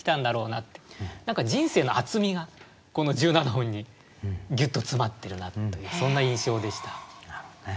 何か人生の厚みがこの１７音にギュッと詰まってるなというそんな印象でした。